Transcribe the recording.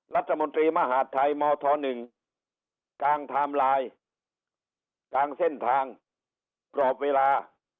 รัฐมนตรีมหาดไทยมธ๑กางไทม์ไลน์กลางเส้นทางกรอบเวลา